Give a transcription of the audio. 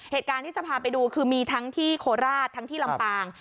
เหตุการณ์ที่จะพาไปดูคือมีทั้งที่โคราชทั้งที่ลำปาง